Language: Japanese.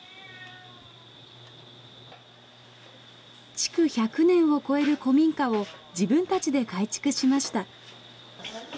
築１００年を超える古民家を自分たちで改築しました。